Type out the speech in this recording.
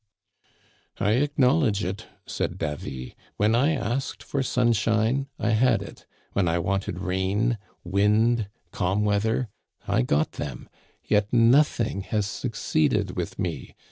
"* I acknowledge it,' said Davy. *When I asked for sunshine, I had it ; when I wanted rain, wind, calm weather, I got them ; yet nothing has succeeded with me.